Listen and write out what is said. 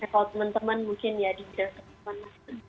kalau teman teman mungkin ya di jelaskan